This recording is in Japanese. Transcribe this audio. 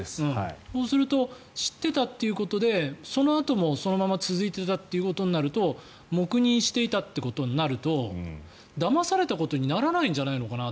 そうすると知っていたということでそのあともそのまま続いていたということになると黙認していたということになるとだまされたことにならないんじゃないのかな。